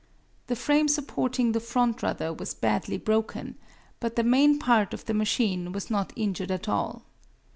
The frame supporting the front rudder was badly broken, but the main part of the machine was not injured at all.